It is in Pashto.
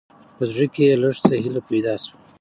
په زړه، کې يې لېږ څه هېله پېدا شوه.